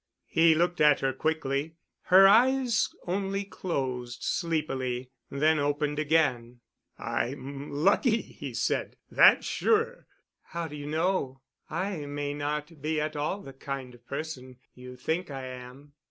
He looked at her quickly. Her eyes only closed sleepily, then opened again. "I'm lucky," he said, "that's sure." "How do you know? I may not be at all the kind of person you think I am."